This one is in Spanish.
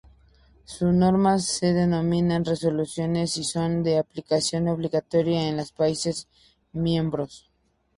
Sus normas se denominan "Resoluciones" y son de aplicación obligatoria en los países miembros.